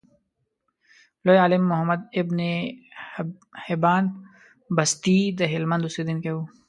لوی عالم محمد ابن حبان بستي دهلمند اوسیدونکی و.